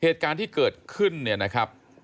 เหตุการณ์ที่เกิดขึ้นเนี่ยนะครับ